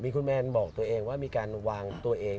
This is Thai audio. คุณแมนบอกตัวเองว่ามีการวางตัวเอง